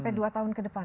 sampai dua tahun ke depan